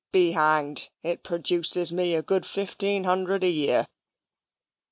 be hanged it produces me a good fifteen hundred a year."